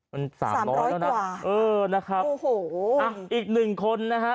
มัน๓๐๐กว่าโอ้โหอ้าวอีก๑คนนะฮะ